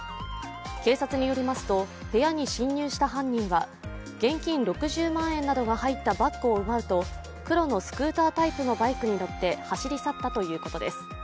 警察によりますと部屋に侵入した犯人は現金６０万円などが入ったバッグを奪うと黒のスクータータイプのバイクに乗って走り去ったということです。